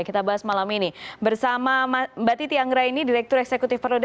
kita bahas malam ini bersama mbak titi anggraini direktur eksekutif perludem